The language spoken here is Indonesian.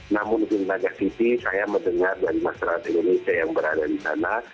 namun di laga city saya mendengar dari masyarakat indonesia yang berada di sana